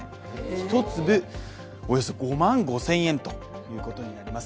１粒およそ５万５０００円ということになります。